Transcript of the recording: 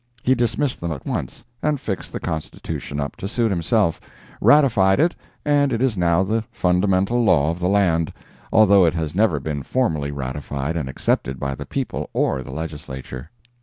He dismissed them at once, and fixed the Constitution up to suit himself, ratified it, and it is now the fundamental law of the land, although it has never been formally ratified and accepted by the people or the Legislature.